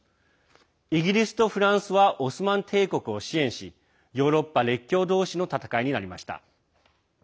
イギリスとフランスはオスマン帝国を支援しヨーロッパ列強同士の戦いになりました。